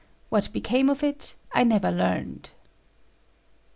What became of it I never learned.